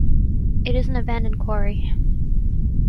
It is an abandoned Quarry.